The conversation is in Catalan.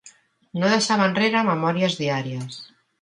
No deixava enrere memòries diàries.